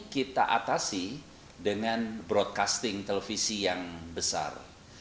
kita atasi dengan broadcasting televisi yang besar